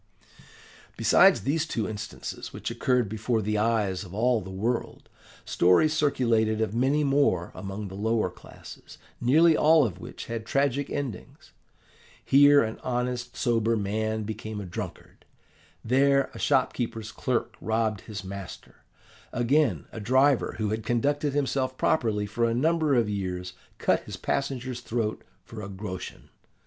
"Besides these two instances which occurred before the eyes of all the world, stories circulated of many more among the lower classes, nearly all of which had tragic endings. Here an honest sober man became a drunkard; there a shopkeeper's clerk robbed his master; again, a driver who had conducted himself properly for a number of years cut his passenger's throat for a groschen.